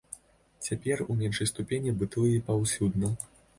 Цяпер у меншай ступені бытуе паўсюдна.